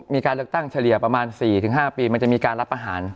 มีการเลือกตั้งเฉลี่ยประมาณ๔๕ปีมันจะมีการรับอาหาร